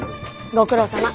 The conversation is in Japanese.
ご苦労さま。